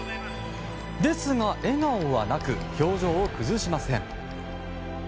ですが、笑顔はなく表情を崩しません。